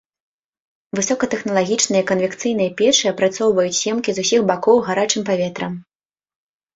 Высокатэхналагічныя канвекцыйныя печы апрацоўваюць семкі з усіх бакоў гарачым паветрам.